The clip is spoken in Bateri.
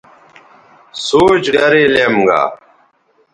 سوچ گرے لیم گا